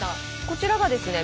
こちらがですね